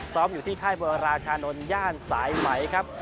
ซ้อมอยู่ที่ค่ายบรรชานลย่านสายไหมครับ